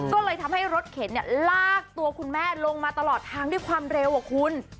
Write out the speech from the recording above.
ก็เลยทำให้รถเข็นลากตัวคุณแม่ลงมาตลอดทางด้วยความเร็วอะคุณ